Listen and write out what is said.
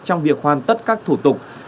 trong việc hoàn tất các thủ tục